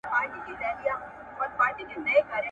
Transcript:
د قیامت نښانې دغه دي ښکاریږي ,